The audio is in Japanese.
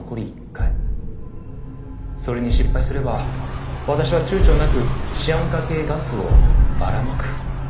「それに失敗すれば私は躊躇なくシアン化系ガスをばらまく」